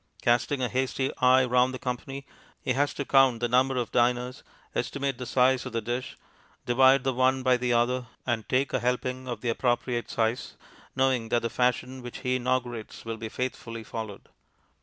Casting a hasty eye round the company, he has to count the number of diners, estimate the size of the dish, divide the one by the other, and take a helping of the appropriate size, knowing that the fashion which he inaugurates will be faithfully followed.